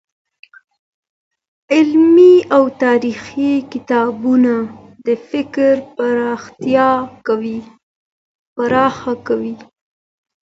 علمي او تاريخي کتابونه د فکر پراختيا کوي.